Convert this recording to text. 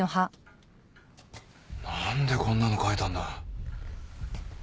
何でこんなの描いたんだ。